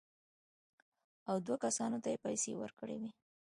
او دوو کسانو ته یې پېسې ورکړې وې.